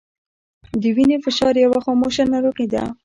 د وینې فشار یوه خاموشه ناروغي ده